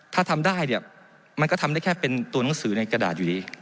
ถ้าทำได้เนี่ยมันก็ทำได้แค่เป็นตัวหนังสือในกระดาษอยู่ดี